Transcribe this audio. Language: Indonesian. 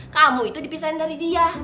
kamu itu dipisahin dari dia